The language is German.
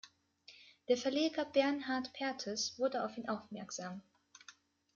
Der Verleger Bernhard Perthes wurde auf ihn aufmerksam.